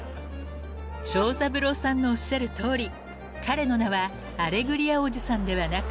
［長三郎さんのおっしゃるとおり彼の名はアレグリアおじさんではなく］